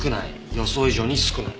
予想以上に少ない。